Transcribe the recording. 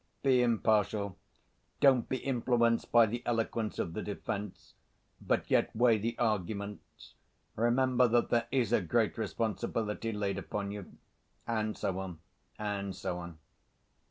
"Be impartial, don't be influenced by the eloquence of the defense, but yet weigh the arguments. Remember that there is a great responsibility laid upon you," and so on and so on.